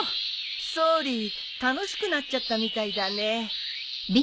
ソーリー楽しくなっちゃったみたいだね。